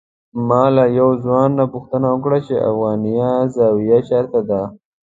ما له یو ځوان نه پوښتنه وکړه چې افغانیه زاویه چېرته ده.